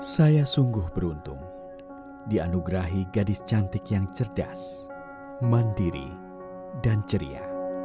saya sungguh beruntung dianugerahi gadis cantik yang cerdas mandiri dan ceria